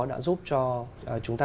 đã giúp cho chúng ta